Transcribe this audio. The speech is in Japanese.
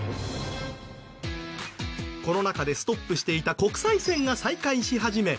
コロナ禍でストップしていた国際線が再開し始め